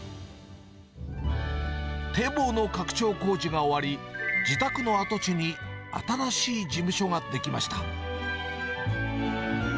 堤防の拡張工事が終わり、自宅の跡地に新しい事務所が出来ました。